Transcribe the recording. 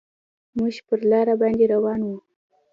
موږ پر لاره باندې روان وو.